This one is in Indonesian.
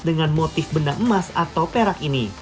dengan motif benda emas atau perak ini